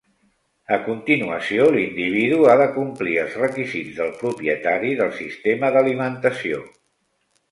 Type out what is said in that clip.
A continuació, l'individu ha de complir els requisits del propietari del sistema d'alimentació.